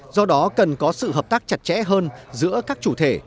do đó cần có sự hợp tác chặt chẽ hơn giữa các chủ thể